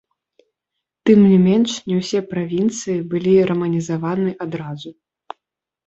Тым не менш не ўсе правінцыі былі раманізаваны адразу.